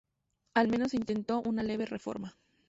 Al menos se intentó una leve reforma.